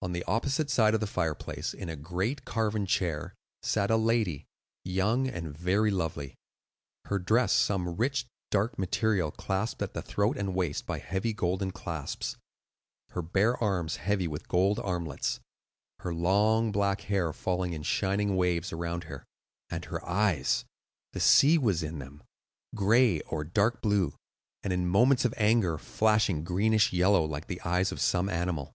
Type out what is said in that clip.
On the opposite side of the fireplace, in a great carven chair, sat a lady, young and very lovely,—her dress some rich dark green material clasped at the throat and waist by heavy golden clasps, her bare arms heavy with gold armlets, her long black hair falling in shining waves around her, and her eyes,—the sea was in them,—gray or dark blue, and in moments of anger flashing greenish yellow like the eyes of some animal.